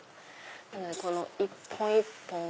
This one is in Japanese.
なのでこの一本一本が。